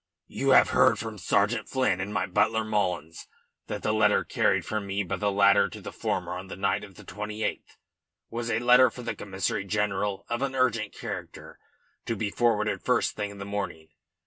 "You have heard from Sergeant Flynn and my butler Mullins that the letter carried from me by the latter to the former on the night of the 28th was a letter for the Commissary General of an urgent character, to be forwarded first thing in the morning.